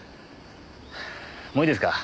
もういいですか？